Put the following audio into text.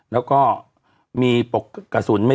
เราก็มีความหวังอะ